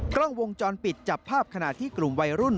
กล้องวงจรปิดจับภาพขณะที่กลุ่มวัยรุ่น